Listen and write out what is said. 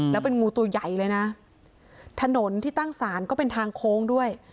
แล้วเป็นงูตัวใหญ่เลยนะถนนที่ตั้งศาลก็เป็นทางโค้งด้วย